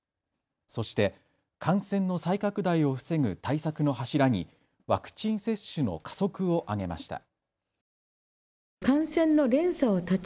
そして感染の再拡大を防ぐ対策の柱にワクチン接種の加速を挙げました。